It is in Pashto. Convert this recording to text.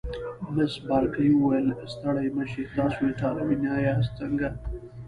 مس بارکلي وویل: ستړي مه شئ، تاسي ایټالوي نه یاست که څنګه؟